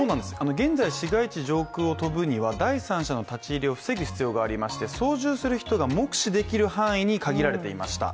現在は市街地上空を飛ぶには第三者の立ち入りを防ぐ必要がありまして操縦する人が目視できる範囲に限られていました。